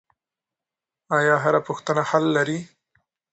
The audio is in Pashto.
آیا هره پوښتنه یو حل لري؟